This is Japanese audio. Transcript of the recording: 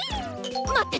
まってて！